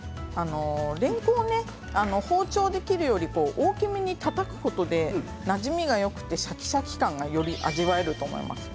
れんこんを包丁で切るより大きめにたたくことでなじみがよくてシャキシャキ感がより味わえると思います。